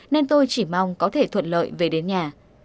nên tôi chỉ mong có thể thuận lợi về đến nhà